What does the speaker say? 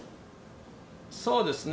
そうですね。